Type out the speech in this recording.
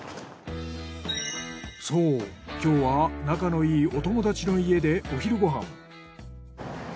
そう今日は仲のいいお友達の家でお昼ご飯。